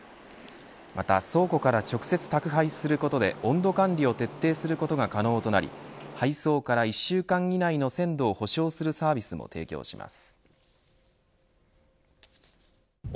また倉庫から直接宅配することで温度管理を徹底することが可能となり配送から１週間以内の鮮度を保証するサービスも提供します。